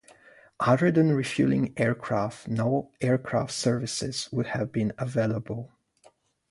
Other than refueling aircraft, no aircraft services would have been available.